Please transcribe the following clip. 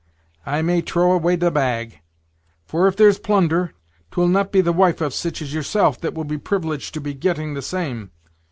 I may trow away the bag! for if there's plunder, 'twill not be the wife of sich as yerself that will be privileged to be getting the same.